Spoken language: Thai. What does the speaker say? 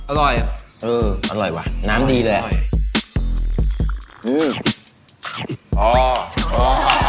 อุ๊ยอร่อยเอออร่อยว่ะน้ำดีเลยอื้ออ๋ออ๋อ